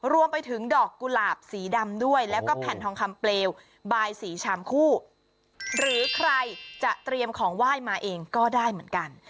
รวมไปถึงดอกกุหลาบสีดำด้วยแล้วก็แผ่นทองคำเปลวบายสีชามคู่หรือใครจะเตรียมของไหว้มาเองก็ได้เหมือนกัน